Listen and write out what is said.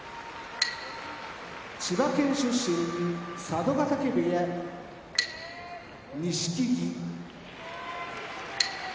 千葉県出身佐渡ヶ嶽部屋錦木岩手県出身